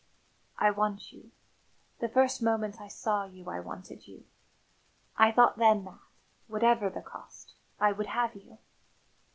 "I want you. The first moment I saw you I wanted you. I thought then that, whatever the cost, I would have you.